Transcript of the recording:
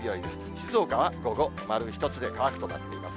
静岡は午後丸１つで乾くとなっています。